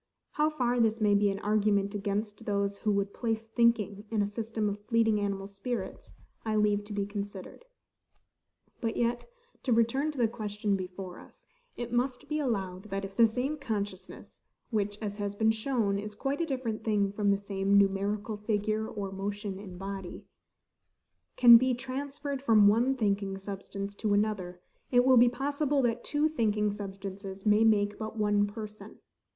How far this may be an argument against those who would place thinking in a system of fleeting animal spirits, I leave to be considered. But yet, to return to the question before us, it must be allowed, that, if the same consciousness (which, as has been shown, is quite a different thing from the same numerical figure or motion in body) can be transferred from one thinking substance to another, it will be possible that two thinking substances may make but one person.